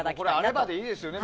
あればでいいですよね。